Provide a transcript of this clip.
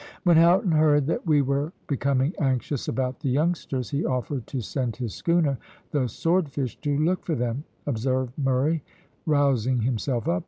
"When Houghton heard that we were becoming anxious about the youngsters, he offered to send his schooner, the Swordfish, to look for them," observed Murray, rousing himself up.